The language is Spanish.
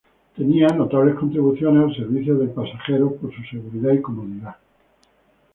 Tenía notables contribuciones al servicio del pasajero por su seguridad y comodidad.